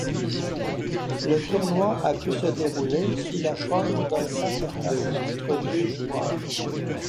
Le tournoi a pu se dérouler sous la forme d'un face-à-face entre deux joueurs.